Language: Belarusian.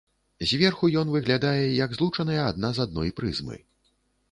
Зверху ён выглядае як злучаныя адна з адной прызмы.